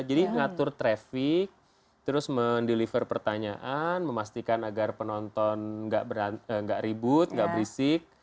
jadi ngatur traffic terus mendeliver pertanyaan memastikan agar penonton nggak ribut nggak berisik